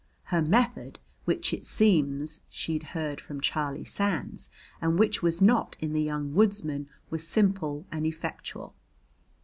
Her method, which it seems she'd heard from Charlie Sands and which was not in the "Young Woodsman," was simple and effectual.